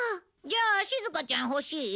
じゃあしずかちゃん欲しい？